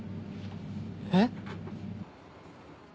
えっ？